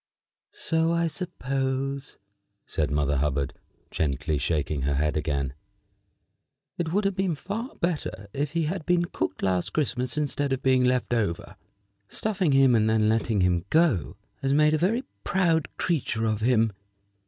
"So I supposed," said Mother Hubbard, gently shaking her head again. "It would have been far better if he had been cooked last Christmas instead of being left over. Stuffing him and then letting him go has made a very proud creature of him.